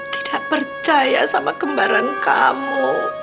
tidak percaya sama kembaran kamu